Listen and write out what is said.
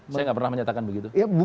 saya nggak pernah menyatakan begitu